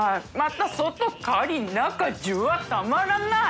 泙外カリッ中ジュワッたまらない！